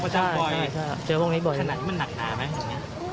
เจอประจำบ่อยขนาดนี้มันหนักหนาไหม